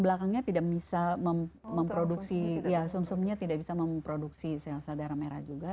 belakangnya tidak bisa memproduksi ya somsomnya tidak bisa memproduksi sel saudara merah juga